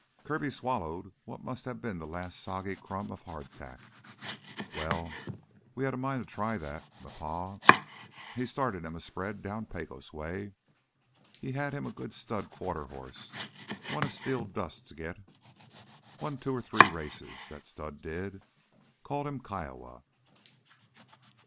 Kirby swallowed what must have been the last soggy crumb of hardtack. "Well, we had a mind to try that. M'pa, he started him a spread down Pecos way. He had him a good stud quarter hoss one of Steel Dust's git. Won two or three races, that stud did. Called him Kiowa.